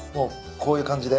こういう感じで？